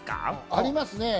ありますね。